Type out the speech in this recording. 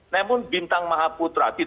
namun bintang maha putra